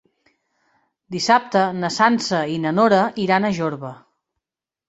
Dissabte na Sança i na Nora iran a Jorba.